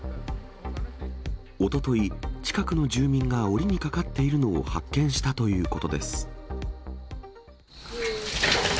おととい、近くの住民がおりにかかっているのを発見したということです。